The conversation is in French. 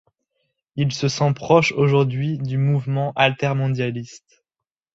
Il se sent proche aujourd'hui du mouvement altermondialiste.